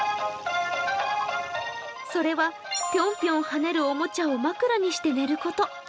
それはぴょんぴょんはねるおもちゃを枕にして寝ること。